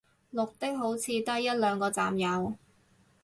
綠的好似得一兩個站有